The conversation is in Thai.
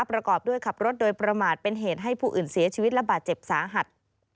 ประกอบด้วยขับรถโดยประมาทเป็นเหตุให้ผู้อื่นเสียชีวิตและบาดเจ็บสาหัส